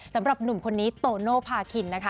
สำหรับหนุ่มคนนี้โตโนภาคินนะคะ